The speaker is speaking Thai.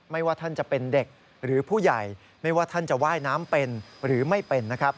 ว่าท่านจะเป็นเด็กหรือผู้ใหญ่ไม่ว่าท่านจะว่ายน้ำเป็นหรือไม่เป็นนะครับ